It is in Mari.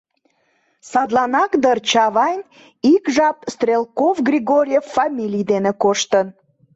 Садланак дыр Чавайн ик жап Стрелков-Григорьев фамилий дене коштын...